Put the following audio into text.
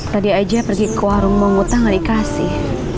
tadi aja pergi ke warung mau ngutang gak dikasih